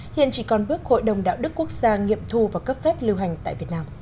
hiện chỉ còn bước hội đồng đạo đức quốc gia nghiệm thu và cấp phép lưu hành tại việt nam